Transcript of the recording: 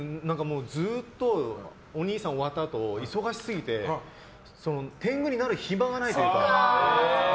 ずっとおにいさん終わったあと忙しすぎて天狗になる暇がないというか。